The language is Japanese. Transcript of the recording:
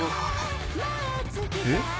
えっ？